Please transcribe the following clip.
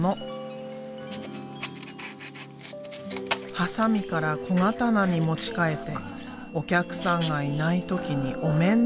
ハサミから小刀に持ち替えてお客さんがいない時にお面作り。